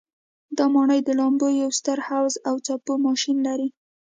دا ماڼۍ د لامبو یو ستر حوض او څپو ماشین لري.